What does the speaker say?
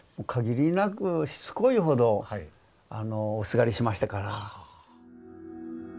限りなくしつこいほどおすがりしましたから。